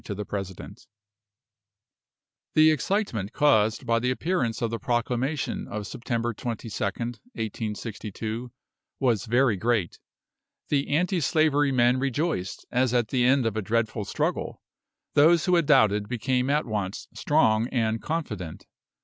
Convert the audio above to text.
to the President_. The excitement caused by the appearance of the proclamation of September 22nd, 1862, was very great. The anti slavery men rejoiced as at the end of a dreadful struggle; those who had doubted became at once strong and confident.